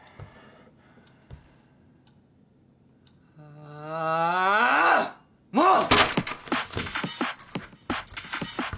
ああっもう！